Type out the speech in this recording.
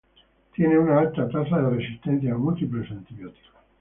Tiene una alta tasa de resistencia a múltiples antibióticos.